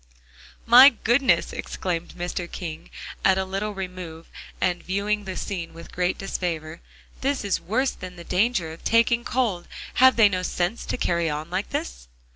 "My goodness!" exclaimed Mr. King at a little remove and viewing the scene with great disfavor, "this is worse than the danger of taking cold. Have they no sense, to carry on like this?"